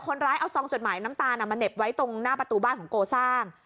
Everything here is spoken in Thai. คนร้ายเอาซองจดหมายน้ำตาลมาเหน็บไว้ตรงหน้าประตูบ้านของโกซ่า